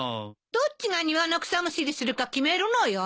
どっちが庭の草むしりするか決めるのよ。